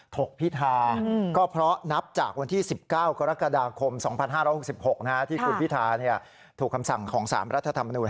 ถกพิธาก็เพราะนับจากวันที่๑๙กรกฎาคม๒๕๖๖ที่คุณพิธาถูกคำสั่งของ๓รัฐธรรมนูญ